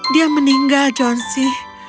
dia meninggal johnsy